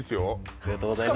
ありがとうございます